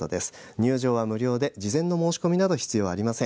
入場は無料で事前の申し込みなど必要ありません。